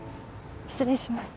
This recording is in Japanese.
失礼します。